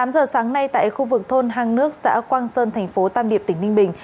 tám giờ sáng nay tại khu vực thôn hàng nước xã quang sơn tp tam điệp tỉnh ninh bình